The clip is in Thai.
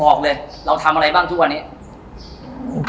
บอกเลยเราทำอะไรบ้างทุกวันนี้